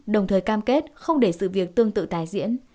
đồng thời cam kết không để sự việc tương tự tái diễn